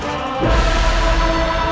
aku tidak tahu diri